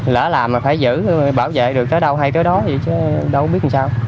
lỡ làm mà phải giữ bảo vệ được tới đâu hay tới đó chứ đâu biết làm sao